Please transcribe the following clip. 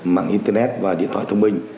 mạng internet và điện thoại thông minh